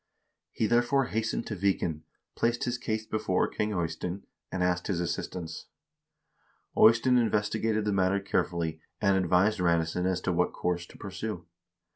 He therefore hastened to Viken, placed his case before King Eystein, and asked his assistance. Ey stein investigated the matter carefully, and advised Ranesson as to what course to pursue.